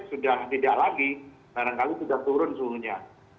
jika di jabodetabek sudah tidak lagi barangkali sudah turun suhunya